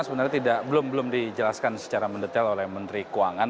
sebenarnya belum dijelaskan secara mendetail oleh menteri keuangan